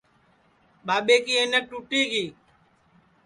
ٻاٻے کی اینک ٹوٹی گی